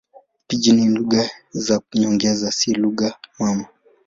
Pijini ni lugha za nyongeza, si lugha mama.